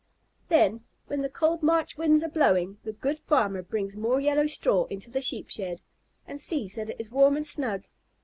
Then, when the cold March winds are blowing, the good farmer brings more yellow straw into the Sheep shed, and sees that it is warm and snug.